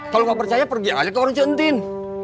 kalau gak percaya pergi aja ke warung centin